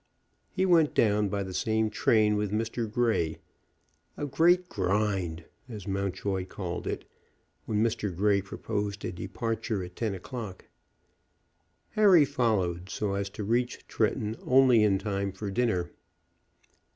He went down by the same train with Mr. Grey, "a great grind," as Mountjoy called it, when Mr. Grey proposed a departure at ten o'clock. Harry followed so as to reach Tretton only in time for dinner.